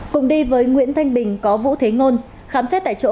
cùng đi với nguyễn thanh bình có vũ thế ngôn khám xét tại chỗ